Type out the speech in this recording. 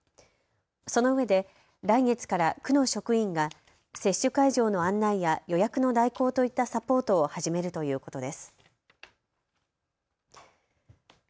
そのうえで来月から区の職員が接種会場の案内や予約の代行といったサポートを始めるということです。